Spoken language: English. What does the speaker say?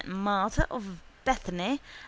Martha of Bethany and S.